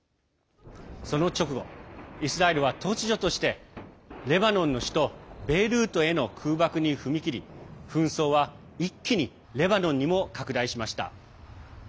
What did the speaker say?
その直後、イスラエルは突如としてレバノンの首都ベイルートへの空爆に踏み切り紛争は一気にレバノンにも拡大しました。